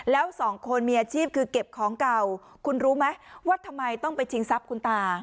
แล้วสองคนมีอาชีพคือเก็บของเก่าคุณรู้ไหมว่าทำไมต้องไปชิงทรัพย์คุณตา